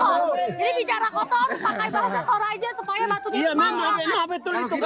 jadi bicara kotor pakai bahasa tora aja supaya batunya terangkat